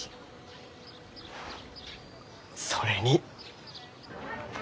それに。